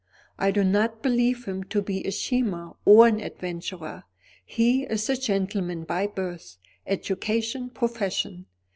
"I do not believe him to be a schemer or an adventurer. He is a gentleman by birth, education, profession.